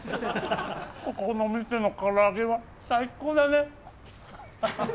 ここの店のから揚げは最高だね。